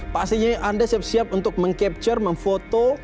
pastinya anda siap siap untuk meng capture memfoto